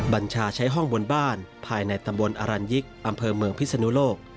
บัญชาใช้ห้องบนบ้านภายในตำบลอรัญยิกอำเภอเมืองพิศนุโลก